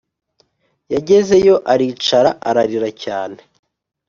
Yagezeyo aricara ararira cyane